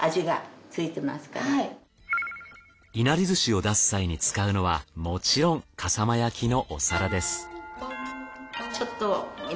いなり寿司を出す際に使うのはもちろん笠間焼のお皿です。